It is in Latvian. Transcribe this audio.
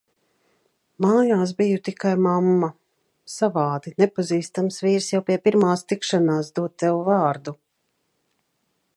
Mājās biju tikai "mamma". Savādi, nepazīstams vīrs jau pie pirmās tikšanās dod tev vārdu.